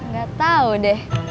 gak tau deh